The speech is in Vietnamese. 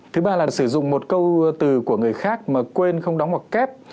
thứ ba là sử dụng một câu từ của người khác mà quên không đóng hoặc kép